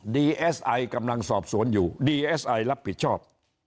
ดีเอสไอกำลังสอบสวนอยู่ดีเอสไอรับผิดชอบ